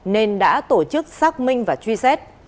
nên đã tổ chức xác minh và truy xét